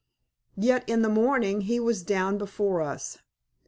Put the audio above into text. Yet in the morning he was down before us.